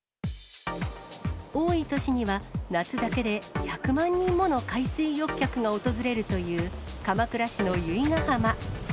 多い年には、夏だけで１００万人もの海水浴客が訪れるという鎌倉市の由比ガ浜。